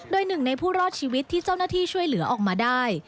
โดยหนึ่งในผู้รอดชีวิตที่เจ้าหน้าที่ช่วยเหลือออกมาได้